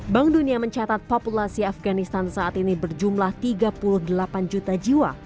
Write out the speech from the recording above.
bank dunia mencatat populasi afganistan saat ini berjumlah tiga puluh delapan juta jiwa